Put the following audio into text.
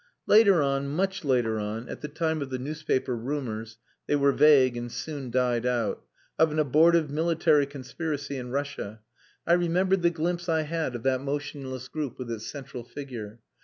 Later on, much later on, at the time of the newspaper rumours (they were vague and soon died out) of an abortive military conspiracy in Russia, I remembered the glimpse I had of that motionless group with its central figure.